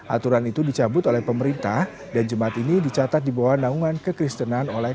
dua ribu satu aturan itu dicabut oleh pemerintah dan jemaat ini dicatat dibawah naungan kekristenan oleh